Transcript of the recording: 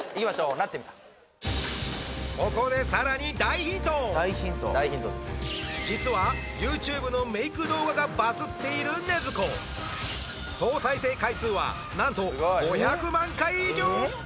ナッテミタここで実はＹｏｕＴｕｂｅのメイク動画がバズっている禰豆子総再生回数はなんと５００万回以上！